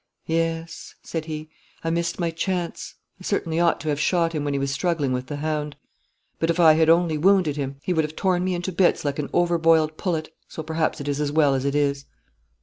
'Yes,' said he, 'I missed my chance. I certainly ought to have shot him when he was struggling with the hound. But if I had only wounded him he would have torn me into bits like an over boiled pullet, so perhaps it is as well as it is.'